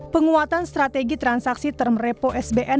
penguatan strategi transaksi term repo sbm